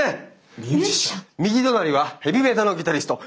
右隣はヘビメタのギタリスト。